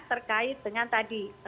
terkait dengan tadi